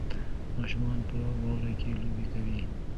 ماشومان په واوره کې لوبې کوي.